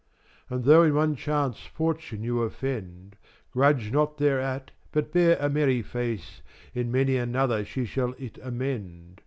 And though in one chance Fortune you offend, Grudge not thereat but bear a merry face, In many another she shall it amend.